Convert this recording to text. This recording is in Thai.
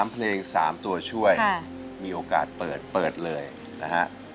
เพลง๓ตัวช่วยมีโอกาสเปิดเปิดเลยนะฮะ